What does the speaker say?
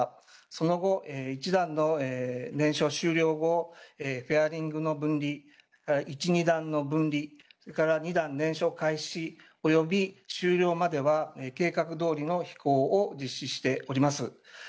その後１段の燃焼終了後、ペアリングの分離、１、２段の分離、それから２段燃焼開始、および終了までは、計画どおりの飛行を実施しております。